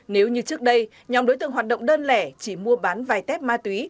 nếu như trước đây nhóm đối tượng hoạt động đơn lẻ chỉ mua bán vài tép ma túy